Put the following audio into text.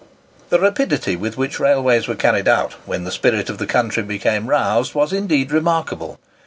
The rapidity with which railways were carried out, when the spirit of the country became roused, was indeed remarkable.